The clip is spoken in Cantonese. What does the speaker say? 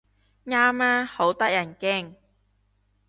啱啊，好得人驚